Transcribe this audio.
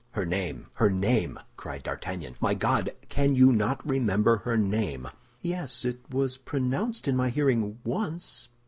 "Her name, her name!" cried D'Artagnan. "My God, can you not remember her name?" "Yes, it was pronounced in my hearing once.